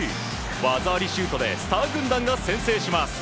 技ありシュートでスター軍団が先制します。